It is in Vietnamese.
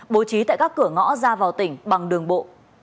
bố trí tại các cửa ngõ ra vào tỉnh bằng đường bộ